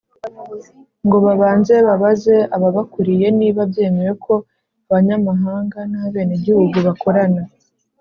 ngo babanze babaze ababakuriye niba byemewe ko abanyamahanga n abenegihugu bakorana